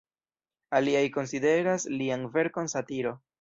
Aliaj konsideras lian verkon satiro.